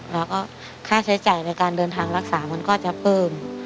แล้วก็ค่าใช้จ่ายในการเดินทางรักษามันก็จะเพิ่ม